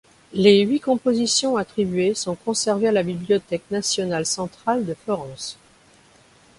Les huit compositions attribuées sont conservées à la Bibliothèque nationale centrale de Florence.